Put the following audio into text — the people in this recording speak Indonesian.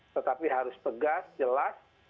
tetapi harus pegas jelas